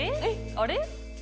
あれ？